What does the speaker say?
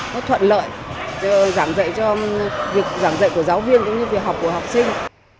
nó thuận lợi giảng dạy cho việc giảng dạy của giáo viên cũng như việc học của học sinh